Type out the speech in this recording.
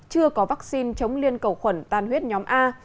chưa có vaccine chống liên cầu khuẩn tan huyết nhóm a